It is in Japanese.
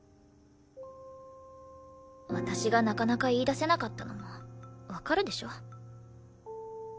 私がなかなか言い出せなかったのもわかるでしょ？